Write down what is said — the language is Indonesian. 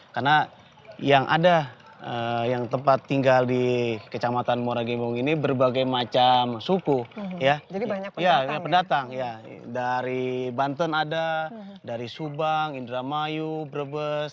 karena yang ada yang tempat tinggal di kecamatan muara gembong ini berbagai macam suku dan ibu mengandungnya rabu m attendant animal yang waktu turun dengan apa untuk menggrasikan pensihan yang mereka lakukan yang bisa menjadi penyembun gracias